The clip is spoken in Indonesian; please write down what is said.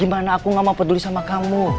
gimana aku gak mau peduli sama kamu